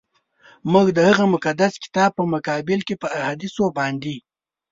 موږ د هغه مقدس کتاب په مقابل کي په احادیثو باندي.